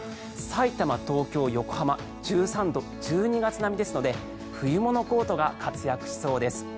さいたま、東京、横浜１３度１２月並みですので冬物コートが活躍しそうです。